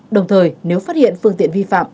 đồng thời nếu phát hiện phương tiện vi phạm